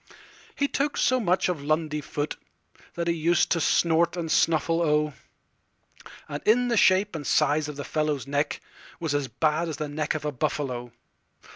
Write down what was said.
He took so much of Lundy footThat he used to snort and snuffle—O!And in shape and size the fellow's neckWas as bad as the neck of a buffalo.